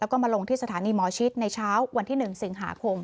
แล้วก็มาลงที่สถานีหมอชิดในเช้าวันที่๑สิงหาคม